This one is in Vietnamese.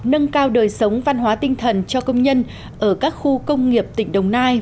nâng cao đời sống văn hóa tinh thần cho công nhân ở các khu công nghiệp tỉnh đồng nai